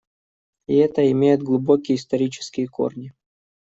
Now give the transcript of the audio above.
И это имеет глубокие исторические корни.